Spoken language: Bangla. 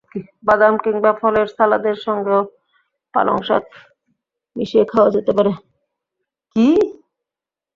বাদাম কিংবা ফলের সালাদের সঙ্গেও পালং শাক মিশিয়ে খাওয়া যেতে পারে।